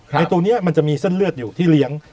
ในตัวนี้มันจะมีเส้นเลือดอยู่ที่เลี้ยง